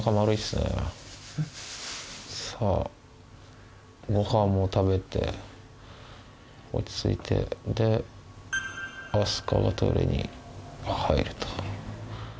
さぁごはんも食べて落ち着いてで明日香はトイレに入ると。